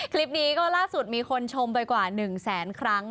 คลิปนี้ก็ล่าสุดมีคนชมไปกว่า๑แสนครั้ง